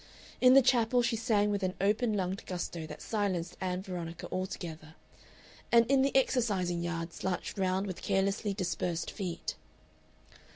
In the chapel she sang with an open lunged gusto that silenced Ann Veronica altogether, and in the exercising yard slouched round with carelessly dispersed feet.